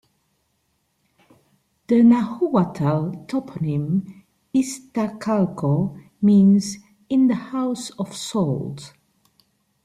The Nahuatl toponym "Iztacalco" means "in the house of salt".